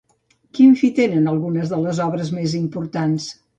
Quin fi tenen algunes de les obres més importants?